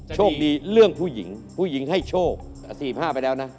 โชคดีเรื่องผู้หญิงผู้หญิงให้โชค๔๕ไปแล้วนะ